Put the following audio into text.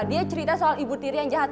dia cerita soal ibu tiri yang jahat